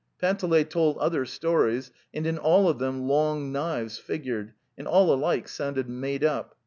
Panteley told other stories, and in all of them "long knives" figured and all alike sounded made up.